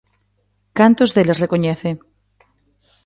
Cantos deles recoñece?